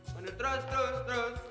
mundur terus terus terus